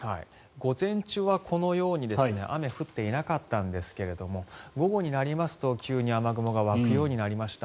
午前中はこのように雨が降っていなかったんですが午後になりますと急に雨雲が湧くようになりました。